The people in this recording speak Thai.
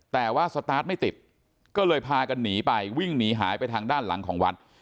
แต่ว่าสตาร์ทไม่ติดก็เลยพากันหนีไปวิ่งหนีหายไปทางด้านหลังของวัด